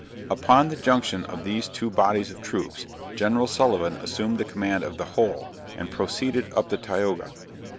Upon the junction of these two bodies of troops, Gen. Sullivan assumed the command of the whole, and proceeded up the Tioga.